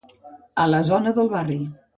A la zona del barri.